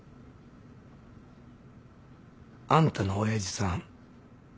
あんたの親父さん